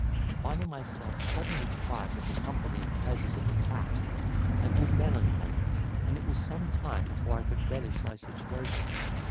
Finding myself suddenly deprived of the company and pleasures of the town, I grew melancholy and it was some time before I could relish my situation.